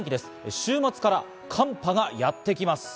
週末から寒波がやってきます。